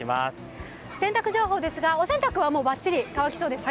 洗濯情報ですが、お洗濯はバッチリ乾きそうですか？